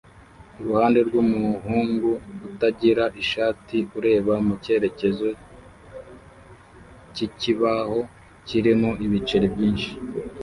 iruhande rwumuhungu utagira ishati ureba mu cyerekezo cyikibaho kirimo ibice byinshi